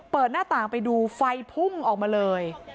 หน้าต่างไปดูไฟพุ่งออกมาเลย